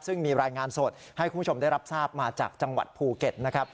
ซึ่งมีรายงานสดให้คุณผู้ชมได้รับทราบมาจากจังหวัดภูเก็ตนะครับ